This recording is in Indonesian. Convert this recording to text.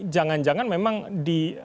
jangan jangan memang di